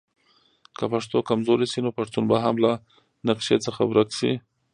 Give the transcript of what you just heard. که پښتو کمزورې شي نو پښتون به هم له نقشه څخه ورک شي.